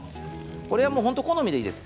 これは好みでいいです。